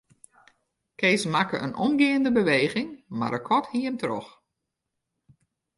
Kees makke in omgeande beweging, mar de kat hie him troch.